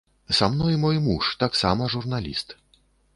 Са мной мой муж, таксама журналіст.